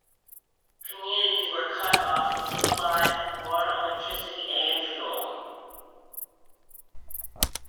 Communities were cut off from supplies of water, electricity and fuel.